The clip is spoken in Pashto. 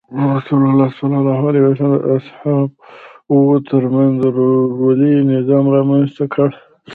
رسول الله د صحابه وو تر منځ د ورورولۍ نظام رامنځته کړ.